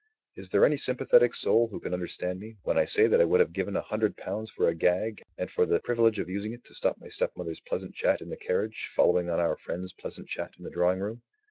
Is there any sympathetic soul who can understand me, when I say that I would have given a hundred pounds for a gag, and for the privilege of using it to stop my stepmother's pleasant chat in the carriage, following on our friends' pleasant chat in the drawing room?